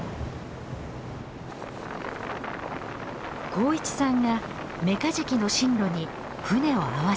幸一さんがメカジキの進路に船を合わせます。